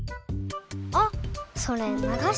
あっそれながし